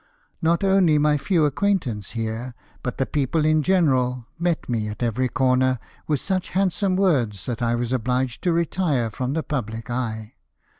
Not only my few acquaintance here, but the people in general, met me at every corner with such handsome words that I was obhged to retire from the public eye.